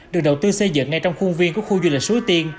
được đầu tư xây dựng ngay trong khuôn viên của khu du lịch suối tiên